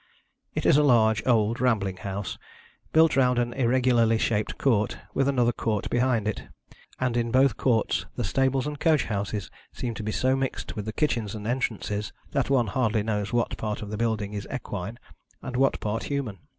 It is a large old rambling house, built round an irregularly shaped court, with another court behind it; and in both courts the stables and coach houses seem to be so mixed with the kitchens and entrances, that one hardly knows what part of the building is equine and what part human.